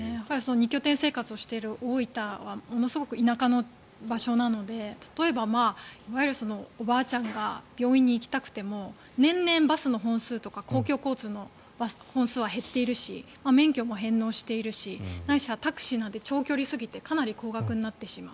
２拠点生活をしている大分はものすごく、いなかの場所なので例えばいわゆるおばあちゃんが病院に行きたくても年々バスの本数とか公共交通の本数は減っているし免許も返納しているしないしはタクシーなんて長距離すぎてかなり高額になってしまう。